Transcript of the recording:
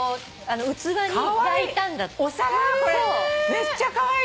めっちゃカワイイ！